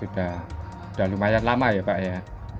sudah lumayan lama ya pak ya